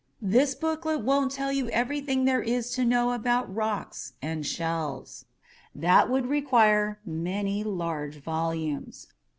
This booklet won't tell you everything there is to know about rocks and shells. That would require many large volumes.